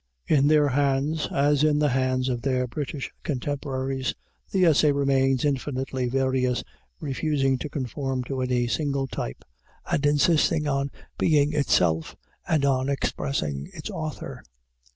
In their hands, as in the hands of their British contemporaries, the essay remains infinitely various, refusing to conform to any single type, and insisting on being itself and on expressing its author.